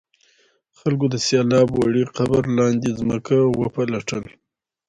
خلکو د سیلاب وړي قبر لاندې ځمکه وپلټله.